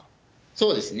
そうですね。